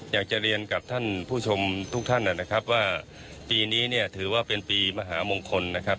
อยากจะเรียนกับท่านผู้ชมทุกท่านนะครับว่าปีนี้เนี่ยถือว่าเป็นปีมหามงคลนะครับ